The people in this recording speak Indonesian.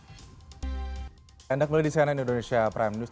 anda kembali di cnn indonesia prime news